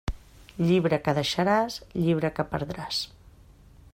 Llibre que deixaràs, llibre que perdràs.